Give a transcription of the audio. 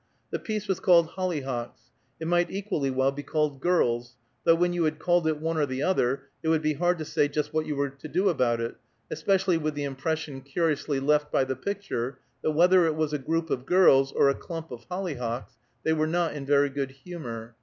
The piece was called "Hollyhocks"; it might equally well be called "Girls," though when you had called it one or the other, it would be hard to say just what you were to do about it, especially with the impression curiously left by the picture that whether it was a group of girls, or a clump of hollyhocks, they were not in very good humor.